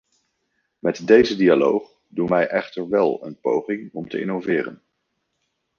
Met deze dialoog doen wij echter wel een poging om te innoveren.